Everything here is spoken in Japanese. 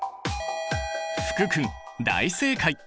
福君大正解！